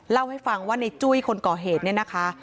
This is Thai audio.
เล่าให้ฟังว่าในจุ้ยคนก่อเหตุเนี่ยนะคะ